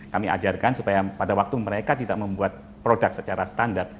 kami ajarkan supaya pada waktu mereka tidak membuat produk secara standar